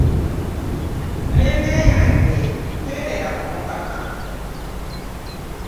Mmeeme yange nywerera ku mukama.